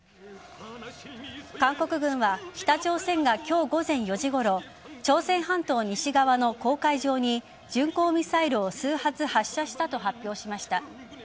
韓国軍は北朝鮮が今日午前４時ごろ朝鮮半島西側の黄海上に巡航ミサイルを数発発射したと発表しました。